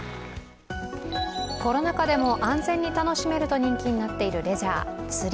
コロナ禍でも安全に楽しめると人気になっているレジャー、釣り。